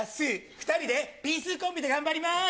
２人でピースーコンビで頑張ります。